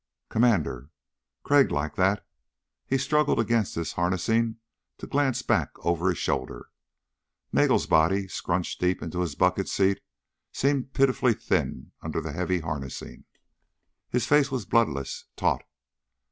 Commander! Crag liked that. He struggled against his harnessing to glance back over his shoulder. Nagel's body, scrunched deep into his bucket seat, seemed pitifully thin under the heavy harnessing. His face was bloodless, taut.